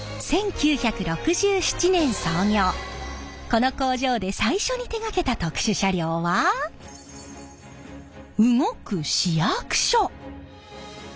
この工場で最初に手がけた特殊車両は動く市役所。